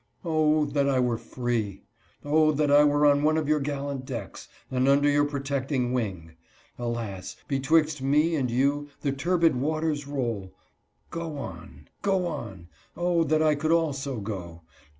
0, that 1 were free! 0, that I were on one of your gallant decks, and under your protecting wing ! Alas ! betwixt me and you the turbid waters roll. Go on, go on ; 0, that I could also go